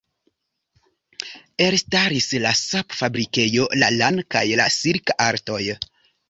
Elstaris la sap-fabrikejo, la lana kaj la silka artoj.